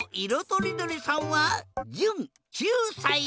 とりどりさんはじゅん９さい。